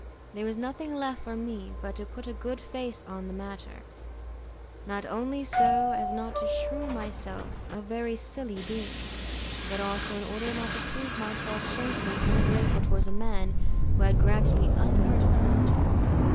There was nothing left for me but to put a good face on the matter, not only so as not to shew myself a very silly being, but also in order not to prove myself shamefully ungrateful towards a man who had granted me unheard of privileges.